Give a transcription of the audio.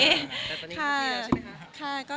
แต่ตอนนี้คุณเปลี่ยนใช่ไหมคะ